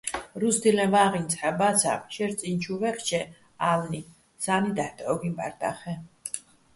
რუსთილეჼ ვა́ღუჲნი ცჰ̦ა ბა́ცავ შეჲრი̆ წი́ნი̆ ჩუ ვაჲხჩე, ა́ლნი, სა́ნი დაჰ̦ დჵო́გინო̆ ბჵარდახეჼ.